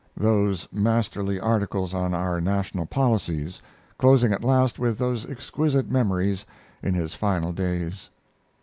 those masterly articles on our national policies; closing at last with those exquisite memories, in his final days.